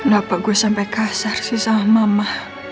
napak gue sampai kasar sih sama mama